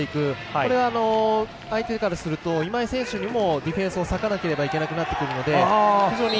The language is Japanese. これは相手からすると今井選手にもディフェンスを割かなければいけなくなってくるので。